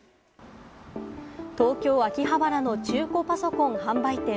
東京・秋葉原の中古パソコン販売店。